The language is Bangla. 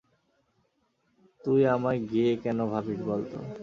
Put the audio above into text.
তুই আমায় গে কেন ভাবিস বল তো?